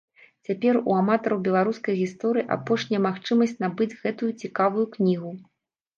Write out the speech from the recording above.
Цяпер у аматараў беларускай гісторыі апошняя магчымасць набыць гэтую цікавую кнігу.